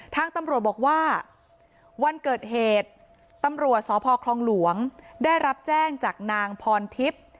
ทางตำรวจบอกว่าวันเกิดเหตุตำรวจสพคลองหลวงได้รับแจ้งจากนางพรทิพย์